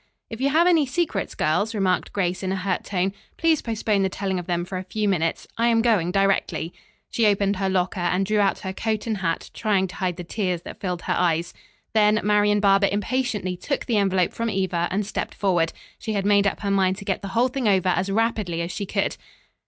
"If you have any secrets, girls," remarked Grace in a hurt tone, "please postpone the telling of them for a few minutes. I am going, directly." She opened her locker and drew out her coat and hat, trying to hide the tears that filled her eyes. Then Marian Barber impatiently took the envelope from Eva and stepped forward. She had made up her mind to get the whole thing over as rapidly as she could.